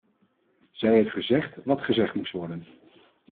Zij heeft gezegd wat gezegd moest worden.